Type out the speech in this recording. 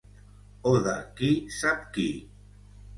O de qui sap qui